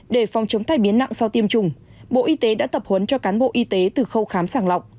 để phòng chống tai biến nặng sau tiêm chủng bộ y tế đã tập huấn cho cán bộ y tế từ khâu khám sàng lọc